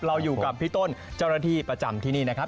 เราอยู่กับพี่ต้นเจ้าหน้าที่ประจำที่นี่นะครับ